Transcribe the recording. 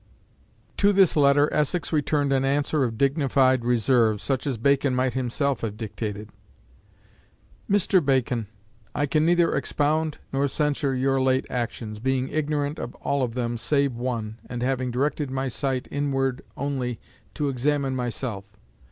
To this letter Essex returned an answer of dignified reserve, such as Bacon might himself have dictated "MR. BACON, I can neither expound nor censure your late actions, being ignorant of all of them, save one, and having directed my sight inward only, to examine myself.